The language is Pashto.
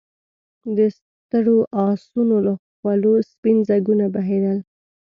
د ستړو آسونو له خولو سپين ځګونه بهېدل.